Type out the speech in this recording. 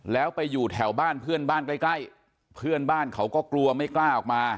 แล้วไปอยู่แถวบ้านเพื่อนบ้านใกล้ใกล้เพื่อนบ้านเขาก็กลัวไม่กล้าออกมา